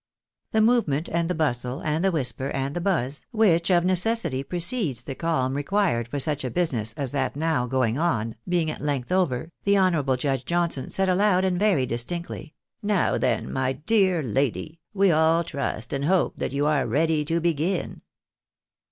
The movement, and the bustle, and the whisper, and the buzz, which of necessity precedes the calm required for such a business as that now going on, being at length over, the honourable Judge Johnson said aloud, and very distinctly, " ISovr then, my dear lady, we all trust and hope that you are ready to begin."